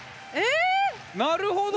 なるほど！